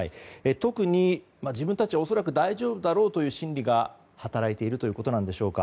特に、自分たちは恐らく大丈夫だろうという心理が働いているということなんでしょうか。